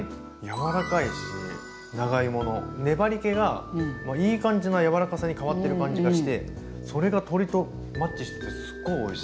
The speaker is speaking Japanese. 柔らかいし長芋の粘りけがいい感じの柔らかさに変わってる感じがしてそれが鶏とマッチしててすっごいおいしいですね。